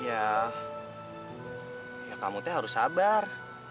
ya ya kamu teh harus sabar